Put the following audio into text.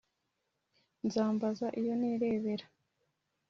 nzambaza iyo nirebera